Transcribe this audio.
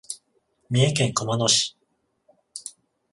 三重県熊野市